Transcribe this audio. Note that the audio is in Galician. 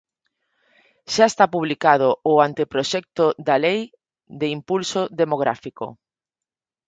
Xa está publicado o anteproxecto da lei de impulso demográfico.